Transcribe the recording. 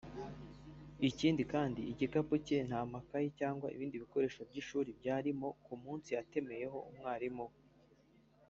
ikindi kandi igikapu cye nta makaye cyangwa ibindi bikoresho by’ishuri byari birimo ku munsi yatemyeho umwarimu we